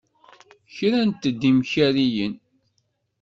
Krant-d imkariyen.